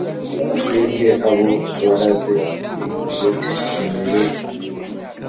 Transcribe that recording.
twebwe abo waraze inkuyo twemere,